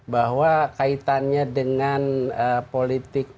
bahwa kaitannya dengan politik